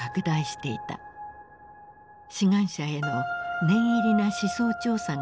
志願者への念入りな思想調査が行われた。